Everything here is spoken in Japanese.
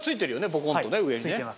ボコンとね上にね。